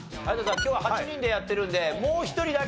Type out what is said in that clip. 今日は８人でやってるんでもう一人だけ。